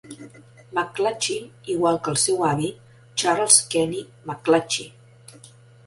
McClatchy, igual que el seu avi, Charles Kenny McClatchy.